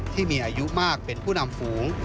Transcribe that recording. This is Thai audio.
ที่มีอายุมากเป็นผู้นำฝูง